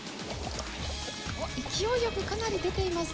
うわっ勢いよくかなり出ていますね。